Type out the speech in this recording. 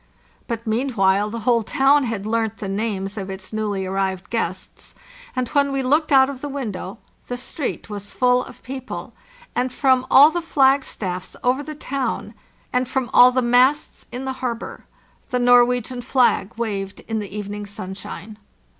But meanwhile the whole town had learnt the names of its newly arrived guests, and when we looked out of the window the street was full of people, and from all the flagstaffs over the town, and from all the masts in the harbor, the Norwegian flag waved in the evening sunshine.